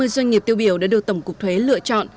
ba mươi doanh nghiệp tiêu biểu đã được tổng cục thuế lựa chọn